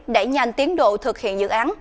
để nhanh tiến độ thực hiện dự án